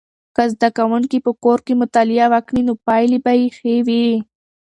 که زده کوونکي په کور کې مطالعه وکړي نو پایلې به یې ښې وي.